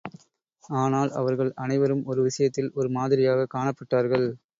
ஆனால், அவர்கள் அனைவரும் ஒரு விஷயத்தில் ஒரே மாதிரியாகக் காணப்பட்டார்கள்.